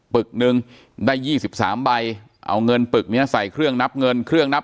ึกหนึ่งได้๒๓ใบเอาเงินปึกนี้ใส่เครื่องนับเงินเครื่องนับ